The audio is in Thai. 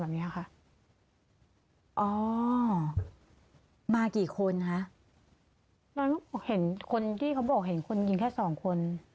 เนี้ยค่ะอ๋อมากี่คนคะแล้วเห็นคนที่เขาบอกเห็นคนยิงแค่สองคน